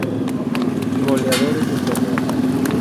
Goleadores del torneo.